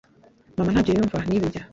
mama ntabyo yumva n'ibi bya